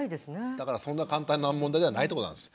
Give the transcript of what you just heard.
だからそんな簡単な問題ではないってことなんです。